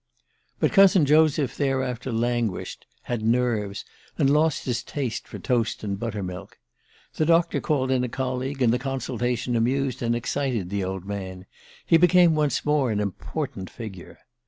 But cousin Joseph, thereafter, languished, had "nerves," and lost his taste for toast and butter milk. The doctor called in a colleague, and the consultation amused and excited the old man he became once more an important figure.